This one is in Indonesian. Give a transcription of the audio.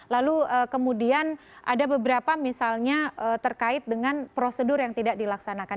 lalu kemudian ada beberapa misalnya terkait dengan prosedur yang tidak dilaksanakan